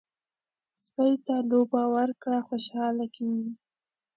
سپي ته لوبه ورکړه، خوشحاله کېږي.